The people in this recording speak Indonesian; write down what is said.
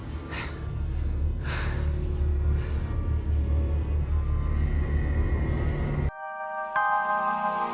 ada kali yang paling kuat untuk kita do not miss it